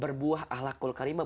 berbuah ahlakul karimah